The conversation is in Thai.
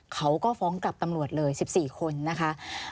เขาก็ฟ้องกับตำรวจเลย๑๔คนนะคะ